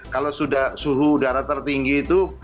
kalau sudah suhu udara tertinggi itu